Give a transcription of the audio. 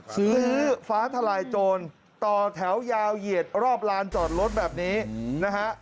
ซื้อฟ้าทลายโจรต่อแถวยาวเหยียดรอบลานจอดรถแบบนี้นะฮะ